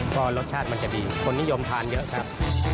ก็รสชาติมันจะดีคนนิยมทานเยอะครับ